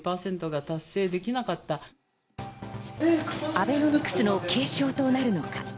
アベノミクスの継承となるのか？